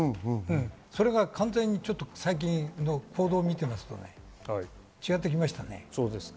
それが完全に最近の行動を見てますと違ってきましたね。